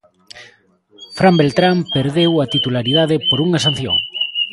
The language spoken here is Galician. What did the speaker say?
Fran Beltrán perdeu a titularidade por unha sanción.